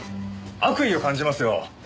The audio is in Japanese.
悪意を感じますよ。